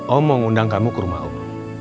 om mau ngundang kamu ke rumah om